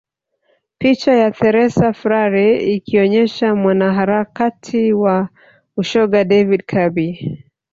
Picha ya Therese Frare ikionyesha mwanaharakati wa ushoga David Kirby